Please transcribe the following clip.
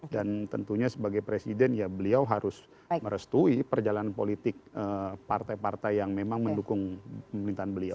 dan tentunya sebagai presiden ya beliau harus merestui perjalanan politik partai partai yang memang mendukung pemerintahan beliau